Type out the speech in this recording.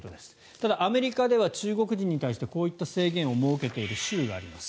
ただ、アメリカでは中国人に対してこういった制限を設けている州があります。